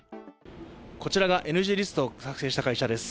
こちらがＮＧリストを作成した会社です。